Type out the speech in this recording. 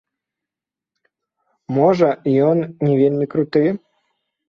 Можа, ён не вельмі круты.